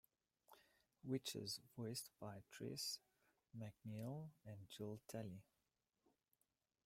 Witches voiced by Tress MacNeille and Jill Talley.